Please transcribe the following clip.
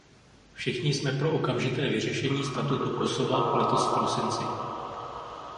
Všichni jsme pro okamžité vyřešení statutu Kosova letos v prosinci.